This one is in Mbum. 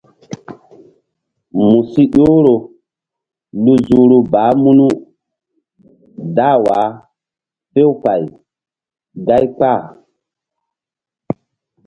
Mu si ƴohro lu zuhru baah munu dah wah few pay gáy kpah.